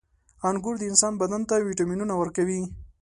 • انګور د انسان بدن ته ویټامینونه ورکوي.